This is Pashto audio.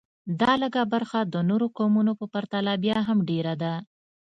دا لږه برخه د نورو قومونو په پرتله بیا هم ډېره ده